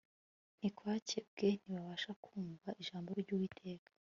ntikwakebwe ntibabasha kumva ijambo ry uwiteka